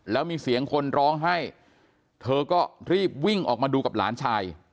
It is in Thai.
แล้วมีเสียงคนร้องไห้เธอก็รีบวิ่งออกมาดูกับหลานชาย